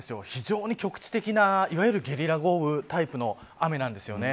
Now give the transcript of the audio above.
非常に局地的な、いわゆるゲリラ豪雨、台風並みなんです。